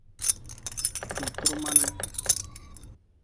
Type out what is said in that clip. Wutru man.